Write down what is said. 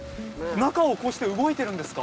中をこうして動いてるんですか？